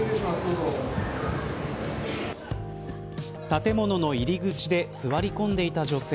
建物の入り口で座り込んでいた女性。